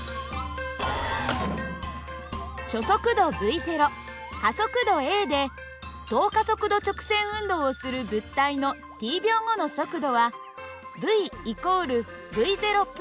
初速度υ加速度ａで等加速度直線運動をする物体のｔ秒後の速度はυ＝υ＋